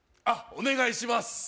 あっお願いします